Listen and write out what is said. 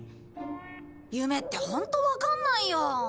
夢ってホントわかんないよ。